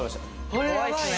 怖いっすね。